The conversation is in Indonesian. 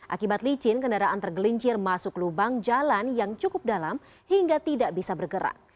akibat licin kendaraan tergelincir masuk lubang jalan yang cukup dalam hingga tidak bisa bergerak